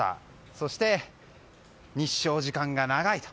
そして日照時間が長いと。